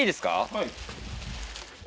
はい。